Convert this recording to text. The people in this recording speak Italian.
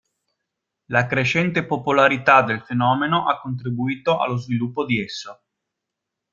La crescente popolarità del fenomeno ha contribuito allo sviluppo di esso.